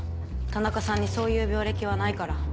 田中さんにそういう病歴はないから。